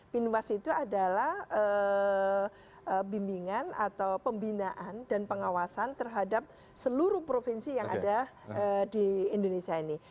binwas itu adalah bimbingan atau pembinaan dan pengawasan terhadap seluruh provinsi yang ada di indonesia ini